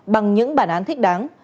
bằng những bản án thích đáng